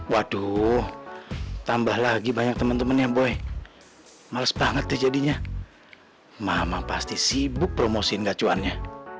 waduh tambah lagi banyak temen temennya boy males banget jadinya mama pasti sibuk promosi ngacuannya